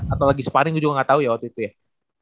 atau lagi sparring juga gak tau ya waktu itu ya